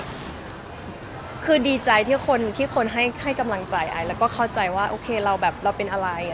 ไม่แค่ดีใจที่คนไม่เลื่อนให้กำลังใจแล้วก็เข้าใจว่าโอเคเราแบบว่าเราเป็นอะไรแล้วค่ะ